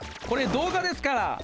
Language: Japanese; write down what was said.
これ動画ですから。